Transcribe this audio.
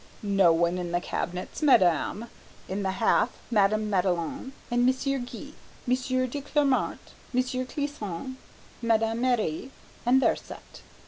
"No one in the cabinets, madame; in the half Madame Madelon and Monsieur Gay, Monsieur de Clamart, Monsieur Clisson, Madame Marie and their set."